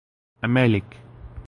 Emelec.